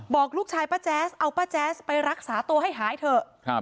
บอกลูกชายป้าแจ๊สเอาป้าแจ๊สไปรักษาตัวให้หายเถอะ